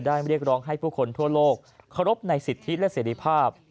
เรียกร้องให้ผู้คนทั่วโลกเคารพในสิทธิและเสรีภาพ